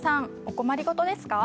お困り事ですか？